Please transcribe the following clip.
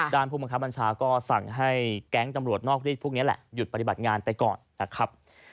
ผู้บังคับบัญชาก็สั่งให้แก๊งตำรวจนอกรีดพวกนี้แหละหยุดปฏิบัติงานไปก่อนนะครับ